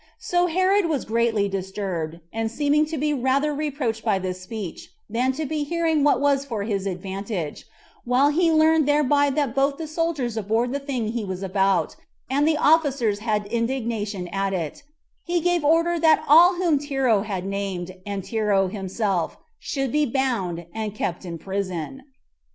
So Herod was greatly disturbed, and seeming to be rather reproached by this speech, than to be hearing what was for his advantage, while he learned thereby that both the soldiers abhorred the thing he was about, and the officers had indignation at it, he gave order that all whom Tero had named, and Tero himself, should be bound and kept in prison.